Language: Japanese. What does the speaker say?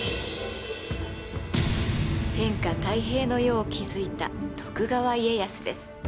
天下太平の世を築いた徳川家康です。